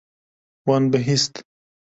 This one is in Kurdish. Wan bihîst.